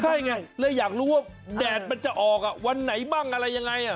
ใช่ไงเลยอยากรู้ว่าแดดมันจะออกวันไหนบ้างอะไรยังไง